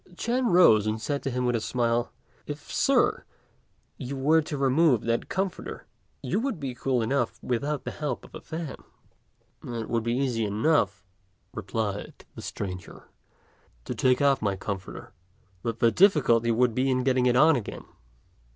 Ch'ên rose and said to him with a smile, "If Sir, you were to remove that comforter, you would be cool enough without the help of a fan." "It would be easy enough," replied the stranger, "to take off my comforter; but the difficulty would be in getting it on again."